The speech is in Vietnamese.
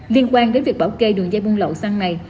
liên quan đến việc bảo kê đường dây buôn lậu xăng này